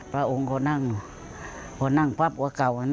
พระองค์ก็นั่งพร้อมนั่งพับหัวเก่า